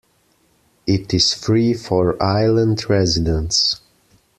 It is free for island residents.